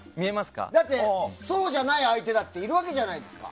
だって、そうじゃない相手だっているわけじゃないですか。